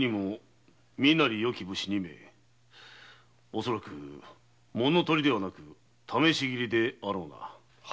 恐らく物盗りではなく試し斬りであろうな。